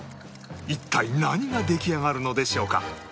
一体何が出来上がるのでしょうか？